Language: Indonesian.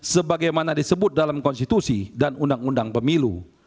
sebagaimana disebut dalam konstitusi dan undang undang pemilu